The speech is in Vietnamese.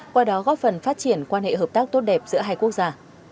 qua đó góp phần phát triển quan hệ hợp tác tốt đẹp giữa hai quốc gia